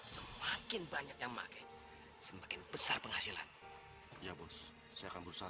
sampai jumpa di video selanjutnya